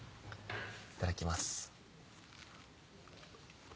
いただきます。